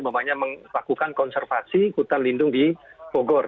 melakukan konservasi hutan lindung di bogor